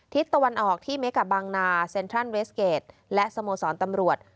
ตะวันออกที่เมกาบางนาเซ็นทรัลเวสเกจและสโมสรตำรวจ